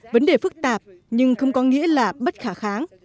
vấn đề phức tạp nhưng không có nghĩa là bất khả kháng